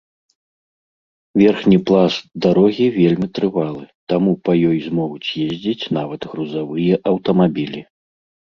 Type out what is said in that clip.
Верхні пласт дарогі вельмі трывалы, таму па ёй змогуць ездзіць нават грузавыя аўтамабілі.